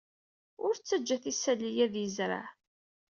Ur ttajjat isali-a ad yezreɛ.